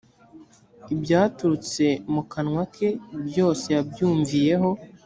ibyaturutse mu kanwa ke byose yabyumviyeho